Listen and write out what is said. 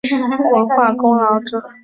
文化功劳者。